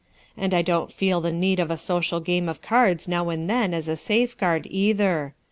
And I don't feel the need of a social game of cards now and then as a safeguard, cither.